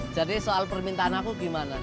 soal permintaan aku gimana